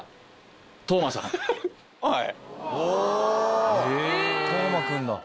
はい。